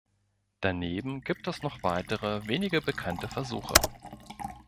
Daneben gibt es noch weitere weniger bekannte Versuche.